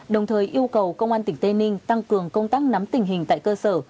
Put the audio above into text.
đồng thời yêu cầu công an tỉnh tây ninh tăng cường công tác nắm tình hình tại cơ sở